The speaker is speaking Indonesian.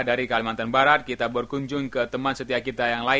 dan jalanku sangat kaya